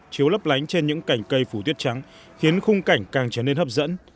chiếu lấp lánh trên những cảnh cây phủ tuyết trắng khiến khung cảnh càng trở nên hấp dẫn